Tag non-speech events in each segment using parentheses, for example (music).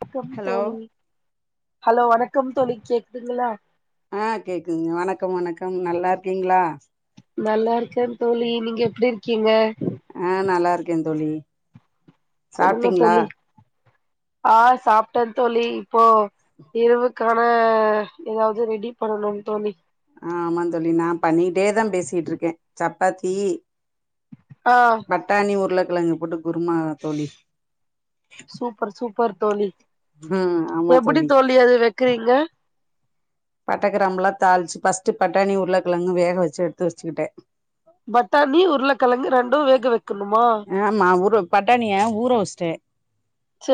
வணக்கம் ஹலோ தோழி ஹலோ வணக்கம் தோழி கேக்குதுங்களா ஆ கேக்குங்க வணக்கம் வணக்கம் நல்லா இருக்கீங்களா நல்லா இருக்கே தோழி நீங்க எப்டி இருக்கீங்க ஆ நல்லா இருக்கே தோழி சொல்லுங்க சாப்ட்டீங்களா தோழி ஆ சாப்ட்டே தோழி இப்போ இரவுக்கான எதாவது ரெடி பண்ணணோ தோழி ஆ ஆமா தோழி நா பண்ணிட்டே தா பேசிட்டிருக்கே சப்பாத்தி ஆ பட்டாணி உருளக்கெழங்கு போட்டு குருமா தோழி சூப்பர் சூப்பர் தோழி ம் ஆமா எப்புடி தோழி அது வெக்குறீங்க பட்ட க்ராம்பூலா தாளிச்சு பர்ஸ்ட் பட்டாணி உருளக்கெழங்கு வேக வெச்சு எடுத்து வெச்சுக்கிட்டே பட்டானி உருளக்கெழங்கு ரெண்டோ வேக வெக்கணுமா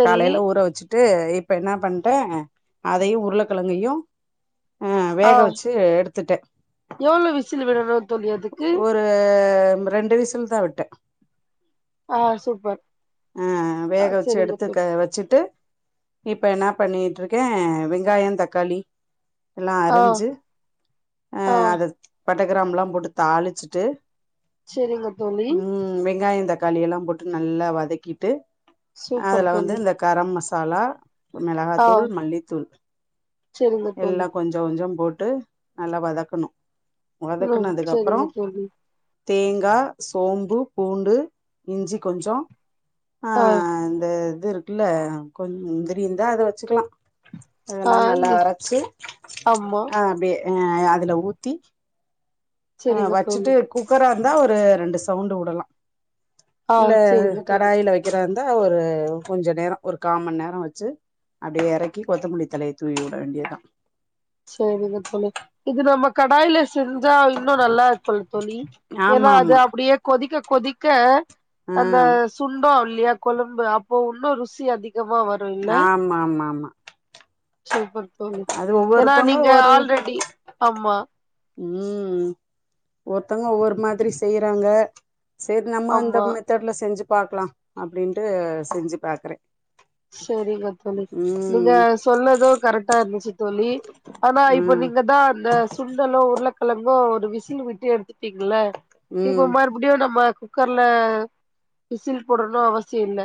காலைல ஊற வெச்சுட்டு இப் ப என்ன பண்ட்டே அதயு உருளக்கெழங்கையு ஆ எவ்ளோ விசில் விடணோ தோழி அதுக்கு ஒரு ரெண்டு விசில் தா விட்டே ஆ சூப்பர் ஆ ஆ வேக வெச்சு சரிங்க எடுத்து தோழி க வெச்சுட்டு இப்ப என்ன பண்ணீட்டு இருக்கே வெங்காயோ தக்காளி எல்லா ஆ அரிஞ்சு அ ஆ அத பட்டக்கிராம்புலா போட்டு தாளிச்சுட்டு செரிங்க தோழி ம் வெங்காயோ தக்காளி எல்லா போட்டு நல்லா வதக்கிட்டு சூப்பர் அதுல வந்து தோழி இந்த கரம் மஸா லா ஆ மெளகாத்தூள் மல்லித்தூள் சரிங்க தோழி எல்லா கொஞ்சோ கொஞ்சோ போட் டு நல்லா வதக்கணோ ம் வதக்கனதுக்கப்புறோ செரிங்க தோழி தேங்கா சோம்பு பூண்டு இஞ்சி கொஞ்சோ ஆ இந்த இது இருக்குல்ல கொஞ் முந்திரி இருந்தா அத வச்சுக்கலா ஆ அதெல்லா நல்லா இ அரச்சு ஆமா ஆ அப்டே அ அதுல ஊத்தி ஆ செரிங்க தோழி வச்சுட்டு குக்கரா இருந்தா ஒரு ரெண்டு சவுண்டு வுடலா ஆ இல்ல செரிங்க தோழி கடாயில வெக்கிறா ந்த ஒரு கொஞ்ச நேரோ ஒரு கா மண் நேரோ வெச்சு அப்டே எறக்கி கொத்தமல்லி தழைய தூவி விட வேண்டியத்தா செரிங்க தோழி இது நம்ம கடாயில செஞ்சா இன்னு நல்லா இர்க்கோல்ல தோழி ஏன்னா ஆமா அது ஆமா அப்படியே கொதிக்க கொதிக்க ஆ அந்த சுண்டோ இல்லையா கொழம்பு அப்போ உன்னு ருசி அதி கமா வரு இல்ல ஆமா ஆமா ஆமா சூப்பர் தோழி அது ஏன்னா ஒவ்வொருத்தவங்க நீங்க ஒரு ஆல்ரெடி ஆம்மா ம் ஒருத்தங்க ஒவ்வொரு மாதிரி செய்யறாங்க செர் நம்ம இந்த ஆமா மெத்தட்ல செஞ்சு பாக்லா அப்டின்ட்டு செஞ்சு பாக்குறே செரிங்க தோழி நீங்க ம் சொன்னது கரெக்டா இர்ந்துச்சி தோழி ஆனா இப்ப ம் நீங்க தா அந்த சுண்டலோ உருளகெழங்கோ ஒரு விசில் விட்டு எடு த்திங்ள இப்ப ம் மறுபிடியு நம்ம குக்கர்ல விசில் போடணு அவசிய இல்ல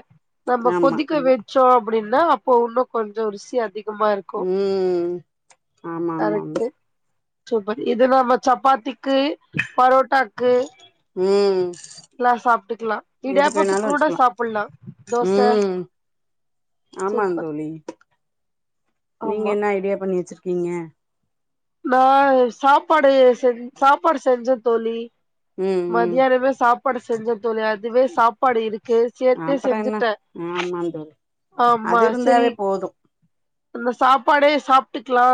நம்ம ஆமா கொதிக்க இல்ல வெ அப்படின்னா அப்போ உன்னு கொஞ்சோ ருசி அதி கமா இருக்கு ம் ஆமா ஆமா ஆமா கரெக்டு சூப்பர் இது நம்ம சப்பாத்திக்கு பரோட்டாக்கு ம் லா சாப்ட்டுக்லா எதுக்கு வேணாலு இடியாப்போத்துக்கூட வச்சுக்கலா சாப்புல்லா தோச சூப்பர் ஆமாந்தோழி நீங்க ஆமா என்ன இடியாப் பண்ணி வெச்சிருக்கீங்க நா சாப்பாடு செஞ் சாப்பாடு செஞ்சே தோழி ம் ம் மதியானமே சாப்பாடு செஞ்சத் தோழி அதுவே சாப்பாடு இருக்கு சேர்த்தே அப்பறோ என்ன செஞ்சுட்டே ஆமாந் தோழி ஆம்மா அது செரி இருந்தாவே போது அந்த சாப்பாடே சாப்ட்டுக்லா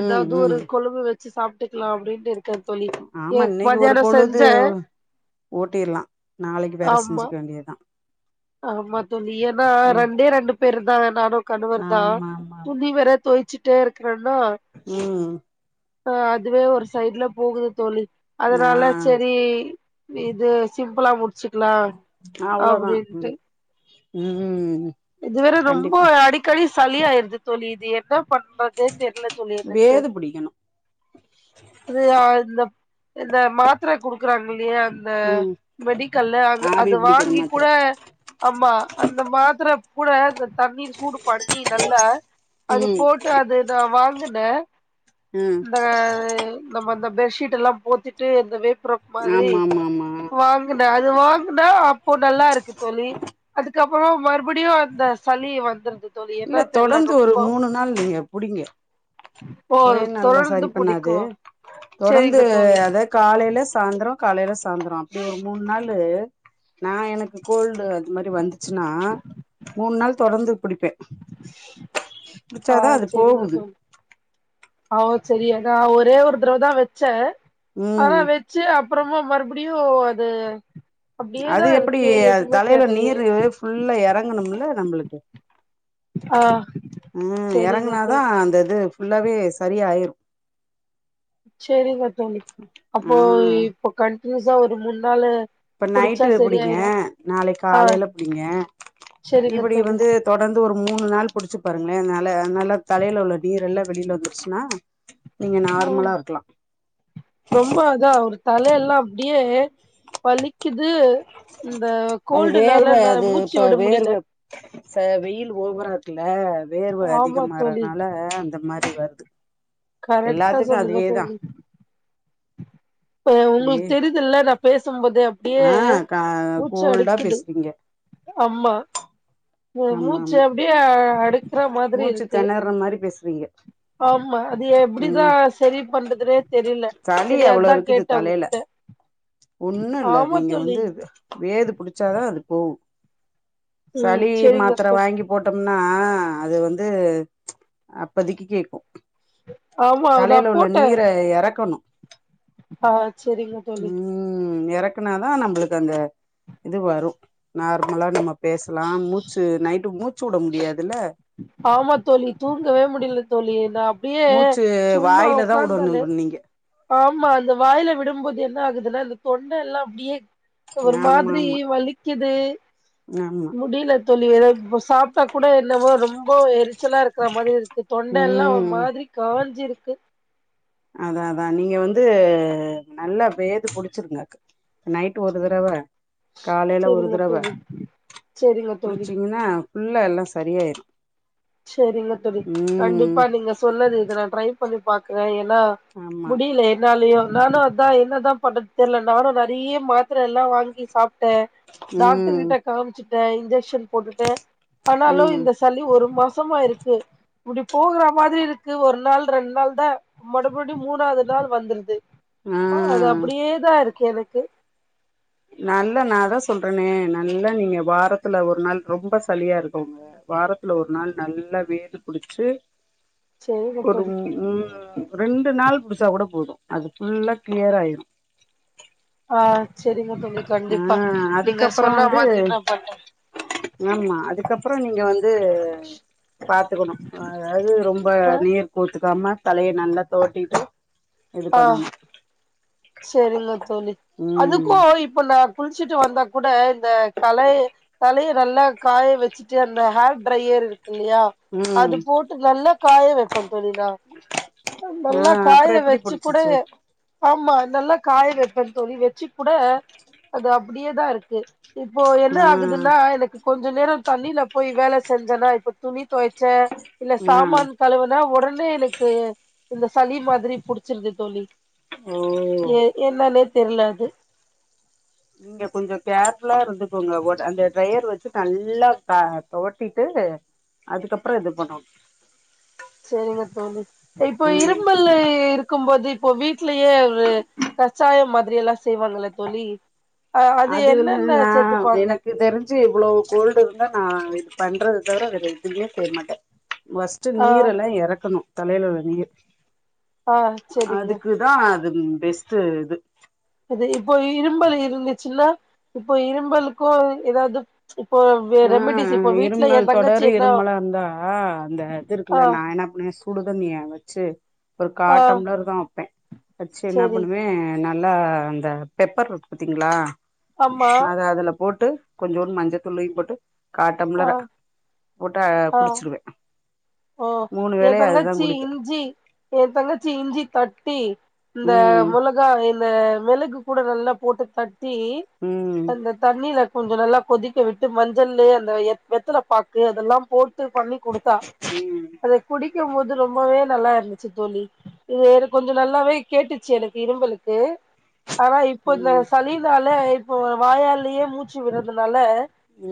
ம் எதாவ்து ஒரு ம் கொழம்பு வெச்சு சாப்ட்டுக்லா அப்டின் னு இருக்க தோழி ஆமா இன்னைக்கு ஒரு மதியானோ செ பொழுது ஓட்டிர்லா நாளைக்கு வேற ஆமா செஞ்சுக்க வேண்டியதா ஆமா தோழி ஏன்னா ம் ரெண்டே ரெண்டு பேரு தா நானு கணவர் தா ஆமா ஆமா ஆமா துணி வேற தோய்ச்சுட்டே ருக்குறேன்னா ம் ஆ அதுவே ஒரு சைட்ல போகுது தோழி ஆ அதனால செரி இது சிம்பிளா முட்ச்சிக்லா அவ்ளோதா அப்புடின்ட்டு ம் ம் இது வேற ரொம்ப கண்டிப்பா அடிக்கடி சளியாயிருது தோழி இது என்ன பண்றதே தெர்ல தொழி எனக்கு வேது புடிக்கணு அது அ இந்த இந்த மாத்திர குடுக்குறாங்கில்லையா அந்த ம் மெடிக்கல்ல அங்க ஆவி அத புடிக்கிற வாங்கி மாத்திர கூட ஆம்மா அந்த மாத்திர கூட இந்த தண்ணீ சூடு பண்ணி நல்லா அது ம் போட்டு அது நா வாங்குனே ம் இந்த நம்ம அந்த பெஷீட் எல்லா போத்திட்டு இந்த (unintelligible) (unintelligible) மாதிரி ஆமா ஆமா ஆமா வாங்குன அது வாங்குனா அப்போ நல்லா இருக்கு தோழி அதுக் கு அப்புறோ மறுபிடியு அந்த சளி வந்துருது தோழி இல்ல என்ன தெர்ல தொடந்து ஒரு ரொம்ப மூணு நாள் நீங்க புடிங்க ஓ ஒரே நாள்ல தொடர்ந்து செரி பண்ணாது புடிக்கு தொடந்து செரிங்க தோழி அதா காலையில சாந்தரோ காலைல சாந்தரோ அப்படி ஒரு மூணு நாளு நா எனக்கு கோல் டு அது மாரி வந்துச்சுன்னா மூணு நாள் தொடந்து புடிப்பே ஆ அது செரிங்க போகுது தோழி அ ஒ செரியானா ஒரே ஒரு தரவ தா வெச்சே ஆனா ம் வெச்சு அ ப்புறமா மறுபிடியு அது அப்டியேதா அது எப்டி இருக்கு அது எதுவுமே தலைல தெர்லையே நீரு ஃபுல்லா எறங்கணும்ல நம்பளுக்கு ஆ ம் சரிங்க எறங்குனாதா தோழி அந்த இது ஃபுல்லாவே சரியாயிரு சேரிங்க தோழி ஆ அப்போ இப்ப கண்ட்னியூஸா ஒரு மூண் நாளு இப்ப குடிச்சா நைட்டு புடிங்க சரியாயிரு நாளைக்கு ஆ காலைல புடிங்க சரிங்க இப்புடி தோழி வந்து தொடர்ந்து ஒரு மூணு நாள் புடிச்சு பாருங்ளே நால நல்லா தலைல உள்ள நீரெல்லா வெளில வந்துருச்சுனா ஓ ரொம்ப அதா ஒரு தலயெல்லா ப்டியே பலிக் குது இந்த அது கோல்டுனால என்னால மூச்சு விட முடிய்ல சா வெயில் ஓவரா இருக்குல வேர்வ ஆமா தோழி அதிகமாறதுனால அந்த மாரி வருது கரெக்டா எல்லாத்துக்கு சொல்லுங்க அதேதா தோழி இப்ப வே உங்களுக்கு தெரியுதுல நாப் சும் போது அப்டியே ஆ கா மூச்சு கோல்டா அடைக்குது பேசுறீங்க அம்மா ஓ ஆமா மூச்சு ஆமா அப்டியே அடுக்குற மாதிரி மூச்சு இருக்கு தெணர்ற மாரி பேசுறீங்க ஆமா அது எப்டிதா ம் செரி பண்றதுனே தெரிய்ல செரி அதா ட்ட உங்ககிட்ட ஒன்னு இல்ல அது ஆமா நீங்க தோழி வந்து வேது புடிச்சாதா அது போகு ம் சளி சரிங்க மாத்தர தோழி வாங்கி போட்டம் னா அது வந்து அப்பதிக்கு கேக்கு ஆமா நா தலைல உள்ள போட்டே நீர எறக்கணு ஆ செரிங்க தோழி ம் எறக்குனாதா நம்பளுக்கு அந்த இது வரு நார்மலா நம்ம பேசலா மூச்சு நைட்டு மூச்சுவுட முடியாதுல ஆமா தோழி தூங்கவே முடிய்ல தோழி ஏனா அப்டியே மூச்சு சும்மா வாயில தா வுடணு ஒக்காந்தாலே நீங்க ஆமா அந்த வாயில விடும்போது என் ன ஆகுதுனா இந்த தொண்டெல்லா அப்டியே ஒரு ஆமா மாதிரி ஆமா வலிக்குது ஆமா முடிய்ல தோழி எது இப்ப சாப்ட்டா கூட என்னவோ ரொம்போ எரிச்சலா இருக்குற மாதிரி இருக்கு தொண்ட எல்லா ஒரு ம் மாதிரி காஞ்சிருக்கு அதா அதா நீங்க வந்து நல்லா வேது புடிச்சிருங்க நைட்டு் ஒரு தறவ காலைல ஒரு செரிங்க தறவ தோழி செரிங்க தோழி புடிச்சீங்னா ஃபுல்ல எல்லா சரியாயிரு சேரிங்க தோழி ம் கண்டிப்பா நீங்க சொன்னது இத நா ட்ரை பண்ணி பாக்குறே ஏன் னா ஆமா முடிய்ல என்னாலயு நானு அதா என்னதா பண்றது தெர்ல நானு நெறைய மாத்திரெல்லா வாங்கி சாப்ட் ட்டே டாக்டரு ம் கிட்ட காம்ச்சுட்டே இன்ஜெக்ஷன் போட்டுட்டு ஆனாலு ம் இந்த சளி ஒரு மாசமா இருக்கு இப்டி போகுறா மாதிரி இருக்கு ஒரு நாள் ரெண்டு நாள் தா மறுபடி மூணாவ்து நாள் வந்துருது ஆ அது அப்டியேதா இருக்கு எனக்கு நல்லா நாதா சொல்றேனே நல்லா நீங்க வாரத்துல ஒரு நாள் ரொம்ப சளியா இருக்கவ்ங்க வாரத்துல ஒரு நாள் நல்லா வேது புடிச்சு செரிங்க ஒரு தோழி ம் ம் ரெண்டு நாள் புடிச்சா கூட போது அது ஃபுல்லா கிளியர் ஆயிரு ஆ ஆமா தோழி கண்டிப்பா ஆ நீங்க அதுக்கப்புறோ சொன்ன வந்து மாதிரி நா பண்றே ஆமா அதுக்கப்ற நீங்க வந்து பாத்துக்கணு அ அதாவ்து ரொம்ப பண்றே நீர் கோர்த்து ருக்காம தலைய நல்லா தோவட்டிட்டு இது பண்ணணு சேரிங்க தோழி அதுக்கு ம் இப் இப்பனா குளிச்சுட்டு வந்தா கூட இந்த களய தலைய நல்லா காய வெச் ச்சுட்டு அந்த ஹேர் ட்ரையர் இருக் கில்லயா அது ம் போட்டு நல்லா காய வெப்பன் தோழி நா நல்லா ஆ காய அப்புறோ எப்டி வெச்சு கூட புடிச்சிச்சு ஆமா நல்லா காய வெப்பன் தோழி வெச்சு கூட அது அப்டியே தா இருக்கு இப்போ என்ன ஆ ஆகுதுன்னா எனக்கு கொஞ்ச நேரோ தண்ணில போய் வேல செஞ்சன்னா இப்ப துணி தொவச்சே இல்ல ஆ சாமான் கழுவுனா ஒடனே எனக்கு இந்த சளி மாதிரி புடிச்சுருது தோழி ஓ ஏ என்னானே தெர்ல அது நீங்க கொஞ்சொ கேர்ஃபுல்லா இருந்துக்கோங்க வோட் அந்த ட்ரையர் வச்சு நல்லா த தொவட்டீட்டு அதுக்கப்றோ இது பண்ணோ சேரிங்க தோழி இப்போ ம் இரும்பல்லு இருக்கும்போது இப்போ வீட்லயே ஒரு கசாயம் மாதிரி எல்லா செய்வாங்கல்ல தோழி அ அது அதுலு என்னென்ன நா சேத்துப்பாங்க எனக்கு தெரிஞ்சு இவ்ளோ கோல்டு இருந்தா நா பண்றது தவர வேற எதுமே செய் மாட்ட வஸ்ட்டு ஆ நீரெல்லா எறக்கணு தலைல உள்ள நீர் ஆஹ் செரிங்க அதும் பெஸ்ட்டு இது அது இப்போ இரும்பலு இருந்துச்சுன்னா இப்போ இரும்பலுக்கு எதாவ்து ஆஹ் இருமல் தங்கச்சி தொடர் என்ன இருமலா இருந்தா அந்த இது ஆ இருக்குல்ல நா என்ன பண்ணுவ சுடுதன்னிய வச்சு ஒரு ஆ காடம்ளர் தா வப்பே வச்சு என்னா செரி பண்ணுவே நல்லா அந்த பெப்பர் ருக்கு பத்தீங்களா ஆமா போட்டு கொஞ்சோன்னு மஞ்ச துள்ளயு போட்டு ஆ காட்டம்ளர போட்டா ஆ குடிச்சிருவே ஓ மூணு என் வேளையு அதுதா தங்கச்சி குடிப்பே இஞ்சி என் தங்கச்சி இஞ்சி தட்டி இந்த ம் முளகா என்ன மிளகு கூட நல்லா போட்டு தட் டி ம் அந்த தண்ணில கொஞ்சொ நல்லா கொதிக்க விட்டு மஞ்சள்ளே அந்த வெத்தல பாக்கு அதெல்லா போட்டு பண்ணி குடுத்தா ம் அத குடிக்கும் போது ரொம்பவே நல்லா இருந்துச்சு தோழி இது கொஞ்சொ நல்லாவே கேட்டுச்சு எனக்கு இரும்பலுக்கு ஆனா இப்போ இந்த ம் சளினால இப்ப வாயாலயே மூச்சு விடுறதுனால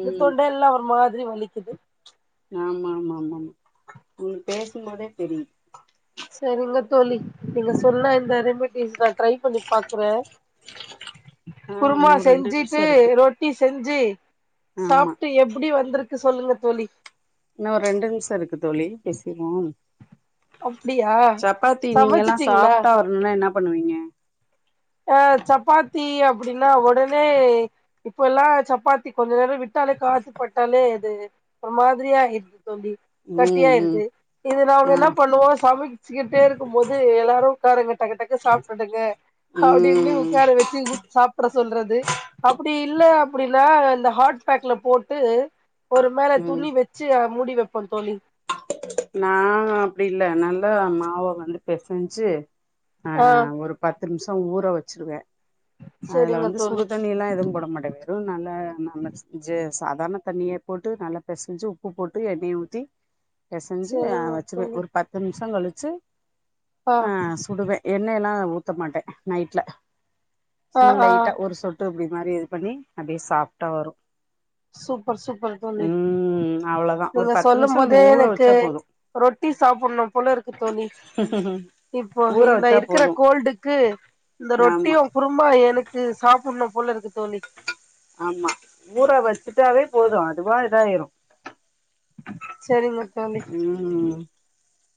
இந்த ம் தொண்டை எல்லா ஒரு மாதிரி வலிக்குது ஆமாமாமாமா உங்க பேசும்போதே தெரியுது சரிங்க தோழி நீங்க சொன்னா இந்த ரெமடிஸ் நா டடரை பண்ணி பாக்குற ஆ குருமா இன்னு ஒரு ரெண்டு நிமிஷோ செஞ்சுட்டு இருக்கு ரொட்டி செஞ்சு ஆமா சாப்ட்டு எப்டி வந்துருக்கு சொல்லுங்க தோழி இன்ன ஒர் ரெண்டு நிம்ஸோ இருக்கு தோழி பேசிருவோ அப்டியா சப்பாத்தி நீங்கல்லா சமைச்சிட்டீங்களா சாஃப்டா வர்ணுனா என்ன பண்ணுவீங்க த்தி அப்டின்னா ஒடனே இப்போல்லா சப்பாத்தி கொஞ்ச நேரோ விட்டாலே காத்து பட்டாலே அது ஒரு மாதிரியா ஆயிர் தோழி ம் ம் கட்டியாயிருது இது நாங்க ஆ என்ன பண்ணுவோ சமைக் ச்சுக்கிட்டே இருக்கும் போது எல்லாரு உக்காருங்க டக்கு டக்கு சாப்ட்டுடுங்க ஹப்டின்னு ம் உக்கார வெச்சு ஊட் சாப்ட சொல்றது அப்டி இல்ல அப்டின்னா இந்த ஹாட் பேக்ல போட்டு ஒரு மேல ம் துணி வெச்சு அ மூடி வெப்போ தோழி நா அப்டி இல்ல நல்லா மாவ வந்து பெசஞ்சு ஆஹ் து நிம்ஸோ ஊற வச்சிருவே அதுல செரிங்க வந்து சுடு தோழி தண்ணில்லா எதும் போட மாட்ட வெறும் நல்லா நம்ம செஞ்சு சாதாரண தண்ணியே போட்டு நல்லா பெசஞ்சு உப்பு போட்டு எண்ணெய ஊத்தி பெசஞ்சி அ செரிங்க வச்சிருவேன் தோழி ஒரு பத்து நிமிஷ கழிச்சு ஆ சுடுவேன் எண்ணய் எல்லா ஊத்த மாட்டேன் நைட்ல ஆ சும்மா ஆ லைட்டா ஒரு சொட்டு இப்டி மாரி இது பண்ணி அப்டியே சாப்டா வரும் சூப்பர் சூப்பர் தோழி அவ்ளோதா ஒரு நீங்க பத்து சொல்லும் நிமிஷோ போதே நம்ம ஊற எனக்கு வச்சா போது கு ரொட்டி சாப்புன்னும் போல இருக்கு தோழி இப்போ ஊற இந்த வச்சா இருக்கிற போது கோல்டுக்கு இந்த ஆமா ரொட்டியும் குறும்மா என க்கு சாப்புன்னு போல இருக்கு தோழி ஆமா ஊர வச்சுட்டாவே போது அதுவா இதாயிரு சரிங்க தோழி ம்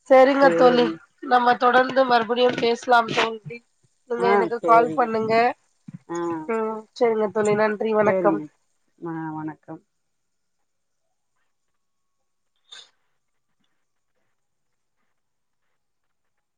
சரிங்க தோழி சேரி நம்ம தொடர்ந்து மறுபடியும் பேசலாம் தோழி நீங்க ஆ எனக்கு கால் சேரிங்க பண்ணுங்க ஆ ம் சரிங்க தோழி நன்றி வணக்கம் சேரிங்க ஆ வணக்கம்